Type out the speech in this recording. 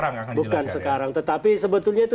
akan dijelaskan bukan sekarang tetapi sebetulnya itu